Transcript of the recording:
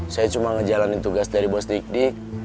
saya cuma ngejalanin tugas dari bos dikdik